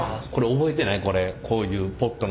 覚えてない？